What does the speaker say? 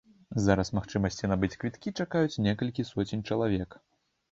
Зараз магчымасці набыць квіткі чакаюць некалькі соцень чалавек.